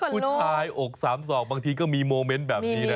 ผู้ชายอกสามศอกบางทีก็มีโมเมนต์แบบนี้นะ